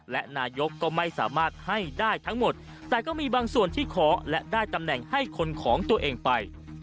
และนายกก็ไม่สามารถให้ได้ทั้งหมดแต่ก็มีบางส่วนที่ขอและได้ตำแหน่งให้คนของตัวเองไป